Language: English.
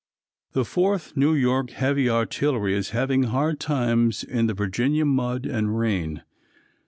_ The 4th New York Heavy Artillery is having hard times in the Virginia mud and rain.